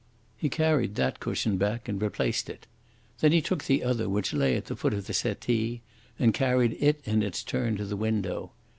He carried that cushion back and replaced it. Then he took the other, which lay at the foot of the settee, and carried it in its turn to the window.